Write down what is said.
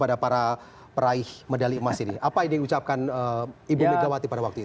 apa yang anda ucapkan ibu megawati pada waktu itu